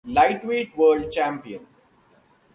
Lightweight world champion.